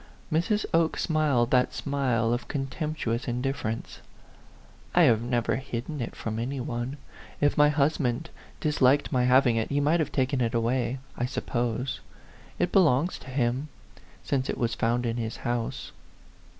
Mrs. Oke smiled that smile of contemptu ous indifference. "I have never hidden it from any one. If my husband disliked my having it, he might have taken it away, I suppose. It belongs to him, since it was found in his house."